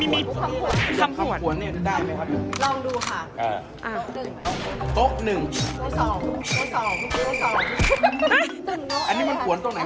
มีคำหวนคำหวนได้ไหมครับพี่ลองดูค่ะโต๊ะหนึ่ง